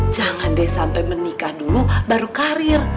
jangan deh sampai menikah dulu baru karir